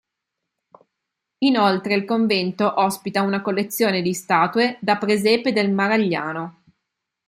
Inoltre il Convento ospita una collezione di statue da presepe del Maragliano.